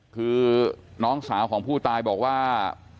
คือน้องสาวของผู้ตายบอกว่า